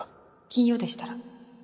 金曜でしたら。